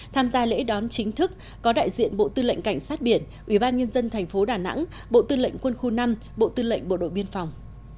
tham gia lễ đón chính thức có đại diện bộ tư lệnh cảnh sát biển ủy ban nhân dân thành phố đà nẵng bộ tư lệnh quân khu năm bộ tư lệnh bộ đội biên phòng